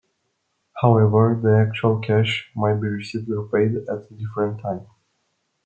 However the actual cash may be received or paid at a different time.